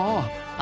あ。